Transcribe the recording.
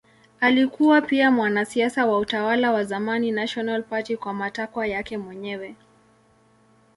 Alikuwa pia mwanasiasa wa utawala wa zamani National Party kwa matakwa yake mwenyewe.